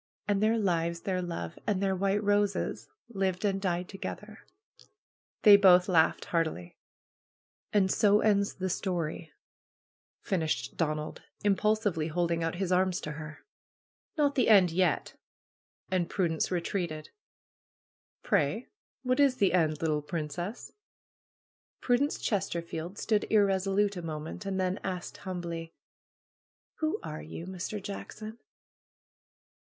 "And their lives, their love, and their white roses, lived and died ttrgetheir' !" They both laughed happily. " And so ends the story,' " finished Donald, impul sively holding out his arms to her. 216 PRUE'S GARDENER the end yet, Donald !" And Prudence retreated. ^^Pray, what is the end, little princess? ' Prudence Chesterfield stood irresolute a moment and then asked humbly: "Who are you, Mr. Jackson?"